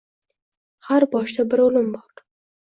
Har boshda bir o’lim bor.